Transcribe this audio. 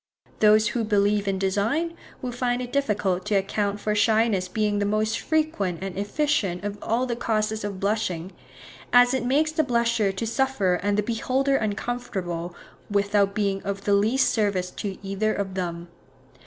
Those who believe in design, will find it difficult to account for shyness being the most frequent and efficient of all the causes of blushing, as it makes the blusher to suffer and the beholder uncomfortable, without being of the least service to either of them.